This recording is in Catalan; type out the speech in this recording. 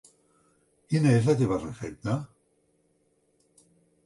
Quina és la teva recepta?